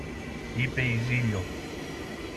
είπε η Ζήλιω.